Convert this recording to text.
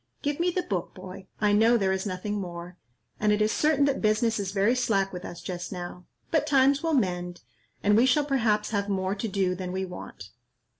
Give me the book, boy, I know there is nothing more, and it is certain that business is very slack with us just now; but times will mend, and we shall perhaps have more to do than we want.